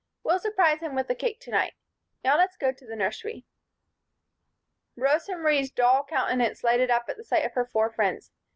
We'll surprise him with the cake to night. Now let's go to the nursery." Rosa Marie's dull countenance brightened at sight of her four friends.